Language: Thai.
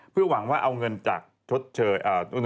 เพื่อหวังว่าเอาเงินชดเชยจากบริษัทประกัน